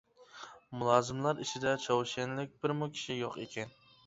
مۇلازىملار ئىچىدە چاۋشيەنلىك بىرمۇ كىشى يوق ئىكەن.